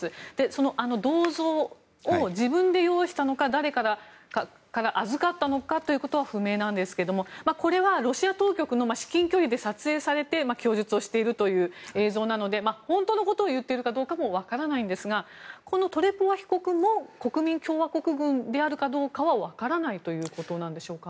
その銅像を自分で用意したのか誰からか預かったのかというのは不明なんですけどこれはロシア当局の至近距離で撮影されて供述をしているという映像なので本当のことを言っているかどうか分からないんですがトレポワ被告も国民共和国軍であるかどうかは分からないということなんでしょうか。